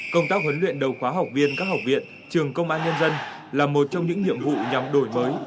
công tác huấn luyện đầu khóa học viên các học viện trường công an nhân dân là một trong những nhiệm vụ nhằm đổi mới